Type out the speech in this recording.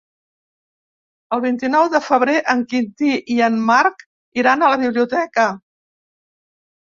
El vint-i-nou de febrer en Quintí i en Marc iran a la biblioteca.